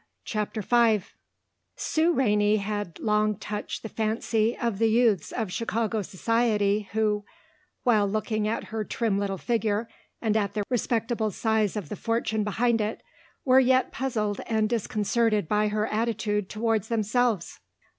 CHAPTER V Sue Rainey had long touched the fancy of the youths of Chicago society who, while looking at her trim little figure and at the respectable size of the fortune behind it, were yet puzzled and disconcerted by her attitude toward themselves.